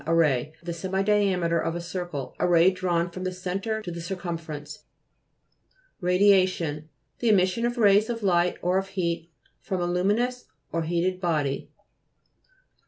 A ray. The semi diameter of a circle ; a ray drawn from the centre to the circumference. RADIA'TTON The emission of rays of light, or of heat, from a luminous or a heated body.